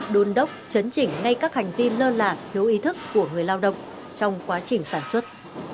đôn đốc chấn chỉnh ngay các hành vi lơ là thiếu ý thức của người lao động trong quá trình sản xuất